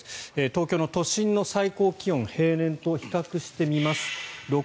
東京の都心の最高気温平年と比較してみます。